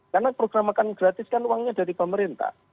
karena program makan gratis kan uangnya dari pemerintah